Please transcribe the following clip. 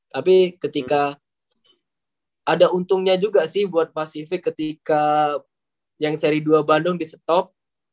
tapi ketika ada untungnya juga sih buat pasifik ketika yang seri dua bandung di stop